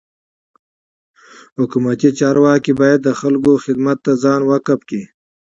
حکومتي چارواکي باید د خلکو خدمت ته ځان وقف کي.